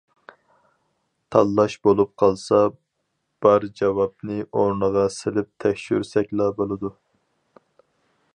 تاللاش بولۇپ قالسا بار جاۋابنى ئورنىغا سېلىپ تەكشۈرسەكلا بولىدۇ.